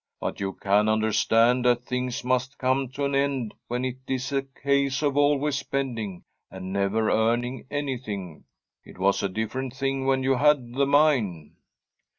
' But you can understand that things must come to an end when it is a case of always spending and never earning anything. It was a different thing when you had the mine.'